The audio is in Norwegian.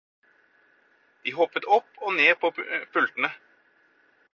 De hoppet opp og ned på pultene